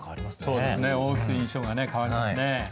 そうですね大きく印象がね変わりますね。